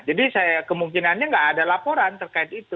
jadi saya kemungkinannya nggak ada laporan terkait itu